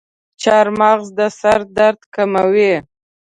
چارمغز د سر درد کموي.